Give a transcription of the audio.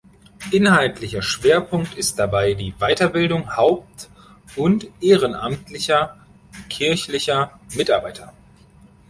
Inhaltlicher Schwerpunkt ist dabei die Weiterbildung haupt- und ehrenamtlicher kirchlicher Mitarbeiter.